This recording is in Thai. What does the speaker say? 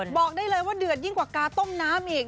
บอกได้เลยว่าเดือดยิ่งกว่าการต้มน้ำอีก